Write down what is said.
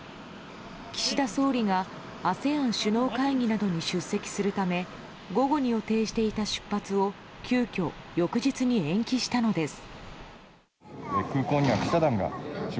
岸田総理がＡＳＥＡＮ首脳会議などに出席するため午後に予定していた出発を急きょ、翌日に延期したのです。